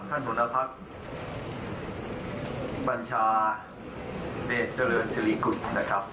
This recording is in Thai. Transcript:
ท่านหัวหน้าภักดิ์บัญชาเดชเจ้าเหลินซิริกุฎนะครับ